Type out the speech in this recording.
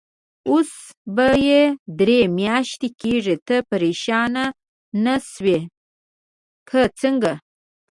اوس به یې درې میاشتې کېږي، ته پرېشانه نه شوې که څنګه؟